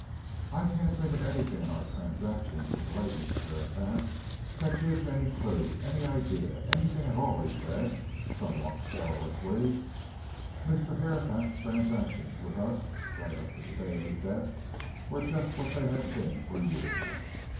"I can't think of anything in our transactions with the late Mr. Herapath that gives any clue, any idea, anything at all," he said, somewhat querulously. "Mr. Herapath's transactions with us, right up to the day of his death, were just what they had been for years.